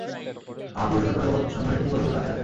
আমার পুরস্কার তো জগতসমূহের প্রতিপালকের কাছেই আছে।